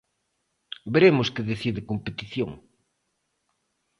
Veremos que decide Competición.